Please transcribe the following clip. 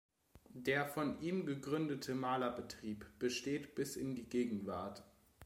Der von ihm gegründete Malerbetrieb besteht bis in die Gegenwart.